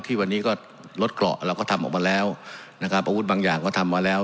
ที่วันนี้ก็รถเกราะเราก็ทำออกมาแล้วนะครับอาวุธบางอย่างก็ทำมาแล้ว